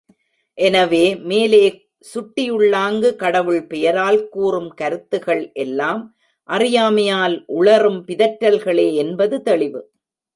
எனவே, மேலே சுட்டியுள்ளாங்கு, கடவுள் பெயரால் கூறும் கருத்துகள் எல்லாம், அறியாமையால் உளறும் பிதற்றல்களே என்பது தெளிவு.